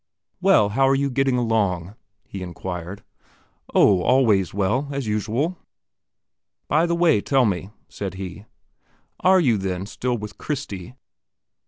"Well, how are you getting along?" he inquired. "Oh, always well ... as usual." "By the way, tell me," said he, "are you, then, still with Christie?"